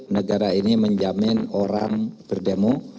negara ini menjamin orang berdemo